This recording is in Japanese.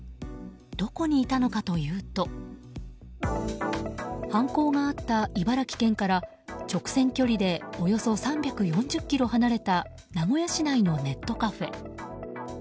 どこにいたのかというと犯行があった茨城県から直線距離でおよそ３４０ｋｍ離れた名古屋市内のネットカフェ。